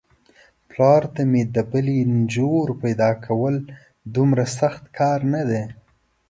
پلار ته مې د بلې نږور پيداکول دومره سخت کار نه دی.